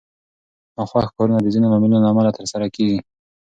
ناخوښ کارونه د ځینو لاملونو له امله ترسره کېږي.